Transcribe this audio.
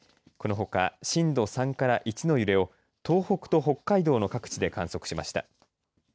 このほか震度３から１の揺れを東北と北海道の各地で観測しました。